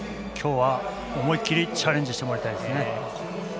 今日は思いっきりチャレンジをしてもらいたいですね。